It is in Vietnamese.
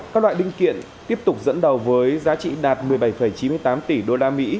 các loại linh kiện tiếp tục dẫn đầu với giá trị đạt một mươi bảy chín mươi tám tỷ usd